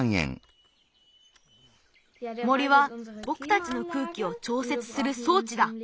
森はぼくたちの空気をちょうせつするそうちだ。